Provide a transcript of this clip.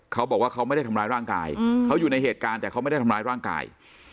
เขาบอกว่าเขาไม่ได้ทำร้ายร่างกายเขาอยู่ในเหตุการณ์แต่เขาไม่ได้ทำร้ายร่างกาย